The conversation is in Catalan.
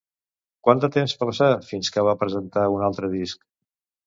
Quant de temps va passar fins que va presentar un altre disc?